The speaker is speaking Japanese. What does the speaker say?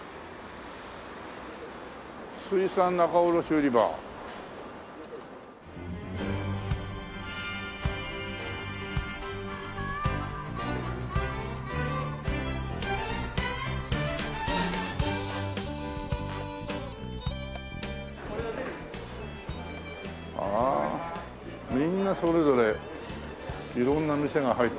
「水産仲卸売場」ああみんなそれぞれ色んな店が入ってるから。